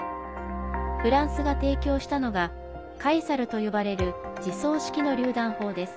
フランスが提供したのが「カエサル」と呼ばれる自走式のりゅう弾砲です。